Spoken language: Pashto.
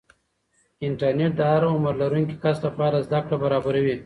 انټرنیټ د هر عمر لرونکي کس لپاره زده کړه برابروي.